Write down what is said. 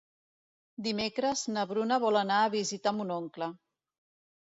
Dimecres na Bruna vol anar a visitar mon oncle.